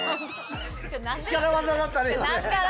力技だったね今ね。